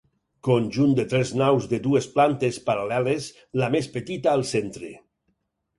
Conjunt de tres naus de dues plantes paral·leles, la més petita al centre.